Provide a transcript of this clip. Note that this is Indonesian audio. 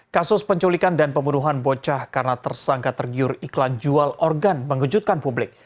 kasus penculikan dan pembunuhan bocah karena tersangka tergiur iklan jual organ mengejutkan publik